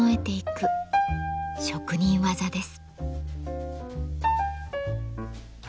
職人技です。